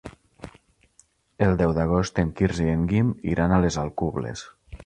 El deu d'agost en Quirze i en Guim iran a les Alcubles.